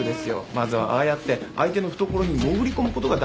まずはああやって相手の懐に潜り込むことが大事なんです。